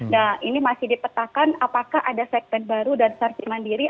nah ini masih dipetakan apakah ada segmen baru dari sesar cemandiri